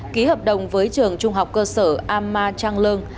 ký hợp đồng với trường trung học cơ sở ama trang lương